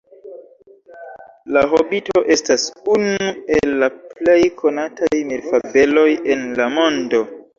La Hobito estas unu el la plej konataj mirfabeloj en la mondo.